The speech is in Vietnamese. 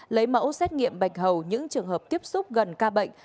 lấy mẫu xét nghiệm bạch hầu những trường hợp tiếp xúc gần ca bệnh